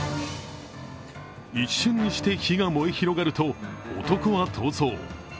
一瞬にして火が燃え広がると、男は逃走。